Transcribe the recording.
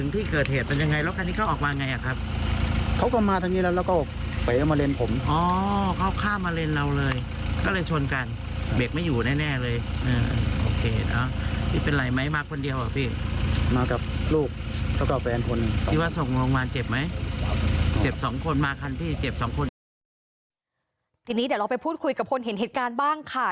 ทีนี้เดี๋ยวเราไปพูดคุยกับคนเห็นเหตุการณ์บ้างค่ะ